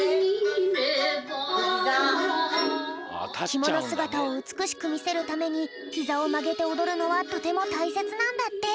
きものすがたをうつくしくみせるためにひざをまげておどるのはとてもたいせつなんだって。